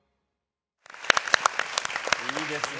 いいですね。